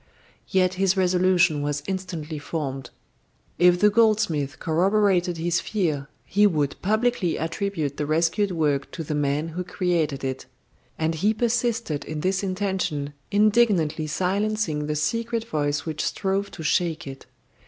Yet his resolution was instantly formed. If the goldsmith corroborated his fear, he would publicly attribute the rescued work to the man who created it. And he persisted in this intention, indignantly silencing the secret voice which strove to shake it.